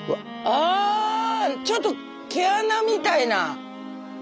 あちょっと毛穴みたいな。